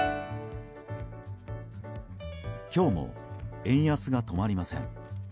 今日も円安が止まりません。